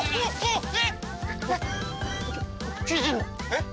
えっ？